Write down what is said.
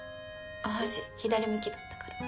お箸左向きだったから。